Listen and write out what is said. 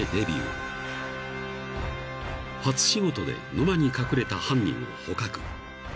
［初仕事で沼に隠れた犯人を捕獲］